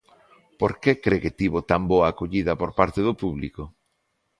Por que cre que tivo tan boa acollida por parte do público?